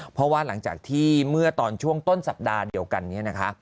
เพราะว่าหลังจากที่เมื่อตอนช่วงต้นสัปดาห์เดียวกันนี้นะคะ